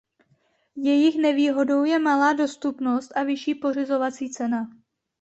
Jejich nevýhodou je malá dostupnost a vyšší pořizovací cena.